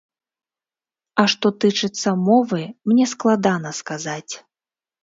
А што тычыцца мовы, мне складана сказаць.